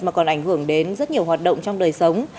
mà còn ảnh hưởng đến rất nhiều hoạt động trong đời sống